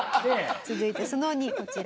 続いてその２こちら。